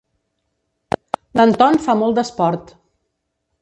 L'Anton fa molt d'esport.